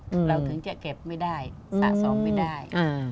เราถึงจะเก็บไม่ได้สะสมไม่ได้อืม